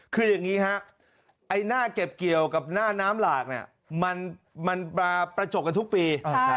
คืออย่างนี้ฮะไอ้หน้าเก็บเกี่ยวกับหน้าน้ำหลากเนี่ยมันมาประจบกันทุกปี